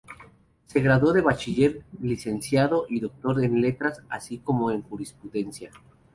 Se graduó de bachiller, licenciado y doctor en Letras, así como en Jurisprudencia.